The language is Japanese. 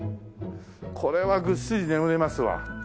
これはぐっすり眠れますわ。